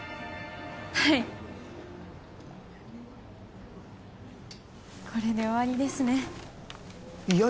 はいこれで終わりですねいや